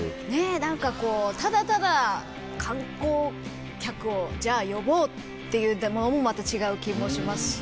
何かこうただただ観光客をじゃあ呼ぼうっていうのもまた違う気もしますし。